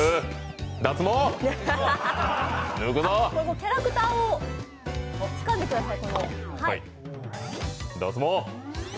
キャラクターをつかんでください。